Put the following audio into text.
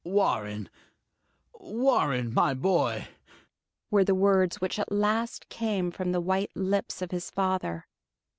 "Warren ... Warren, my boy!" were the words which at last came from the white lips of his father.